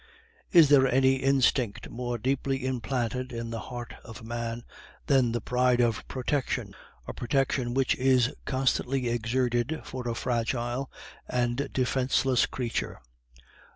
Is there any instinct more deeply implanted in the heart of man than the pride of protection, a protection which is constantly exerted for a fragile and defenceless creature?